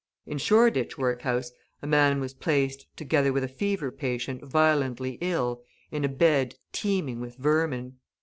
In Shoreditch workhouse a man was placed, together with a fever patient violently ill, in a bed teeming with vermin.